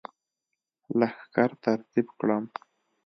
لښکر ترتیب کړم.